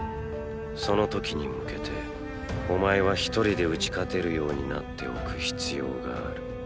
その時に向けてお前はひとりで打ち勝てるようになっておく必要がある。